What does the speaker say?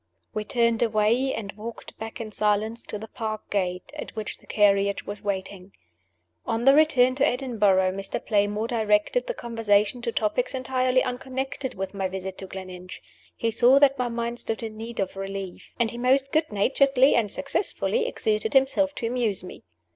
We turned away, and walked back in silence to the park gate, at which the carriage was waiting. On the return to Edinburgh, Mr. Playmore directed the conversation to topics entirely unconnected with my visit to Gleninch. He saw that my mind stood in need of relief; and he most good naturedly, and successfully, exerted himself to amuse me.